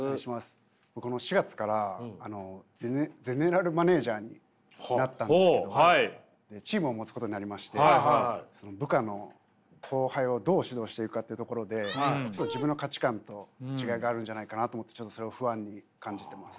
この４月からゼネラルマネージャーになったんですけどチームを持つことになりましてその部下の後輩をどう指導していくかっていうところで自分の価値観と違いがあるんじゃないかなと思ってちょっとそれを不安に感じてます。